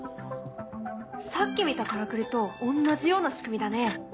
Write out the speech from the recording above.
さっき見たからくりと同じような仕組みだね。